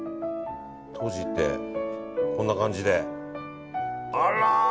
閉じて、こんな感じで。